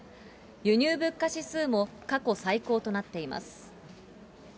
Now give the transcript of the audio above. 輸入物価指数も過去最高となっています。